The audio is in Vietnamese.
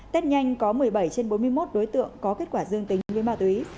tết nhanh có một mươi bảy trên bốn mươi một đối tượng có kết quả dương tính với ma túy